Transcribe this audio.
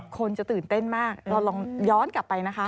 คนจะตื่นเต้นมากเราลองย้อนกลับไปนะคะ